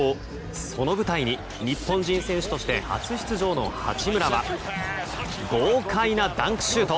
その舞台に日本人選手として初出場の八村は豪快なダンクシュート。